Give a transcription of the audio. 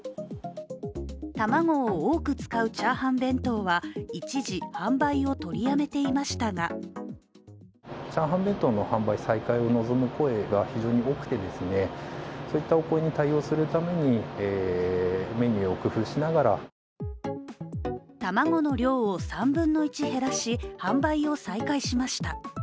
卵を多く使う炒飯弁当は一時、販売を取りやめていましたが卵の量を３分の１減らし、販売を再開しました。